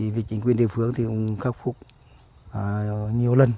vì chính quyền địa phương thì cũng khắc phục nhiều lần